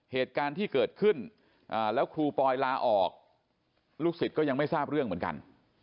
เหตุการณ์ที่เกิดขึ้นแล้วครูปอยลาออกลูกศิษย์ก็ยังไม่ทราบเรื่องเหมือนกัน